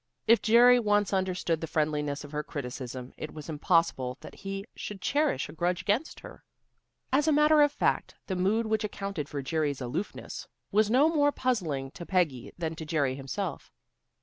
If Jerry once understood the friendliness of her criticism, it was impossible that he should cherish a grudge against her. As a matter of fact, the mood which accounted for Jerry's aloofness was no more puzzling to Peggy than to Jerry himself.